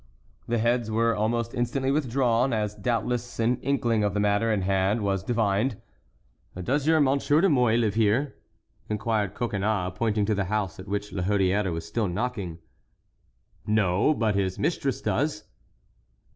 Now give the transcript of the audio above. The heads were almost instantly withdrawn, as doubtless an inkling of the matter in hand was divined. "Does your Monsieur de Mouy live here?" inquired Coconnas, pointing to the house at which La Hurière was still knocking. "No, but his mistress does."